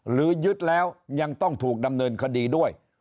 หรือยึดแล้วยังต้องถูกดำเนินคดีด้วย